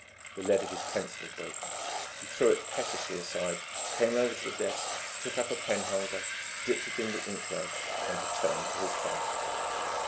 The lead of his pencil had broken. He threw it pettishly aside, came over to the desk, took up a penholder, dipped it in the ink well, and returned to his task.